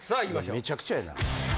めちゃくちゃやな。